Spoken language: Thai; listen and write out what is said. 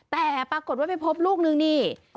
แต่ปรากฏว่าไปพบลูกนึงนี่